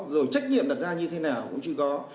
rồi trách nhiệm đặt ra như thế nào